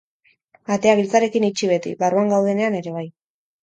Atea giltzarekin itxi beti, barruan gaudenean ere bai.